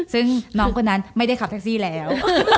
ซึ่งน้องคนนั้นไม่ได้ขับแท็กซี่แล้ว